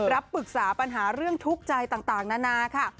รับปรึกษาปัญหาเรื่องทุกข์ใจต่างนานาค่ะ